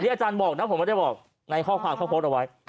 อาจารย์บอกนะผมไม่ได้บอกในข้อความเขาโพสต์เอาไว้